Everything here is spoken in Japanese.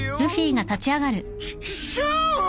チキショー！